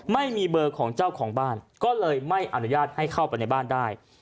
ไม่มีเบอร์ของเจ้าของบ้านก็เลยไม่อนุญาตให้เข้าไปในบ้านได้